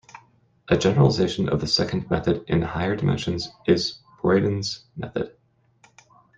A generalization of the secant method in higher dimensions is Broyden's method.